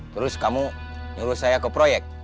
terus kamu nyuruh saya ke proyek